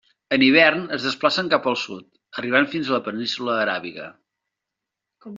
En hivern es desplacen cap al sud, arribant fins a la Península Aràbiga.